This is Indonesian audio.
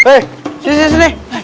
eh sini sini